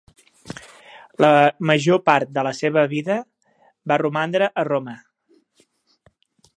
La major part de la seva vida va romandre a Roma.